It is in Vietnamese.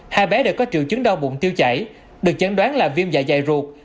hai bé đều có triệu chứng đau bụng tiêu chảy được chẩn đoán là viêm dạ dày ruột